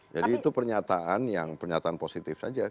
jadi itu pernyataan yang pernyataan positif saja